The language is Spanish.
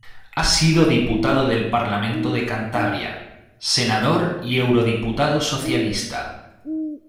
Ha sido diputado del Parlamento de Cantabria, senador y eurodiputado socialista.